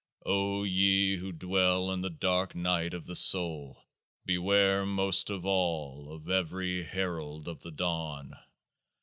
O ye who dwell in the Dark Night of the Soul, beware most of all of every herald of the Dawn